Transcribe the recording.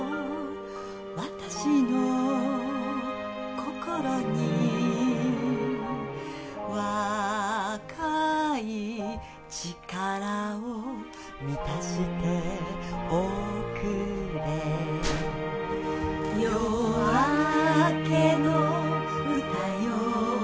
私の心に若いちからを満たしておくれ夜明けのうたよ